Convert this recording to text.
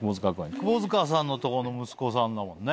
窪塚さんのとこの息子さんだもんね？